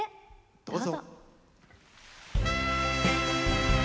どうぞ！